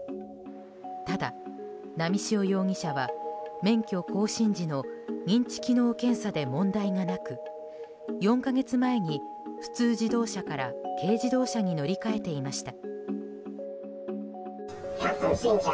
ただ、波汐容疑者は免許更新時の認知機能検査で問題がなく４か月前に普通自動車から軽自動車に乗り換えていました。